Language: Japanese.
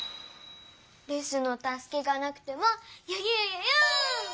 レスのたすけがなくてもよゆうよゆう！